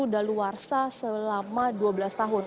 daluarsa selama dua belas tahun